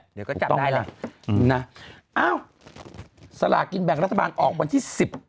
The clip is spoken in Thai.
เดี๋ยวก็จับได้เลยเอ้าสลากกินแบ่งรัฐบาลออกวันที่๑๗